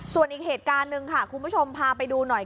ส่วนอีกเหตุการณ์หนึ่งค่ะคุณผู้ชมพาไปดูหน่อย